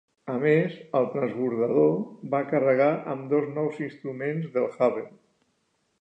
A més, el transbordador va carregar amb dos nous instruments del Hubble.